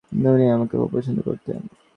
উনি আমাকে খুব পছন্দ করতেন।